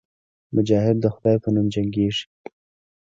مجاهد د خدای په نوم جنګېږي.